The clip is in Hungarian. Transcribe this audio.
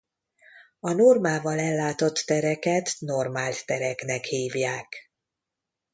A normával ellátott tereket normált tereknek hívják.